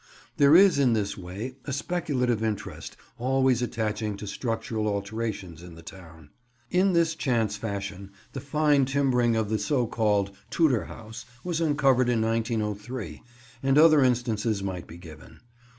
There is in this way a speculative interest always attaching to structural alterations in the town. In this chance fashion the fine timbering of the so called "Tudor House" was uncovered in 1903, and other instances might be given.